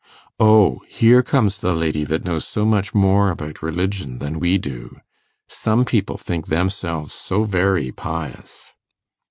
'O here comes the lady that knows so much more about religion than we do!' 'Some people think themselves so very pious!